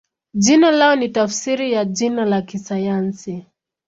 Jina lao ni tafsiri ya jina la kisayansi.